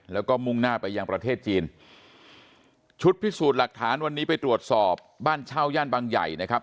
แล้วก็มุ่งหน้าไปยังประเทศจีนชุดพิสูจน์หลักฐานวันนี้ไปตรวจสอบบ้านเช่าย่านบางใหญ่นะครับ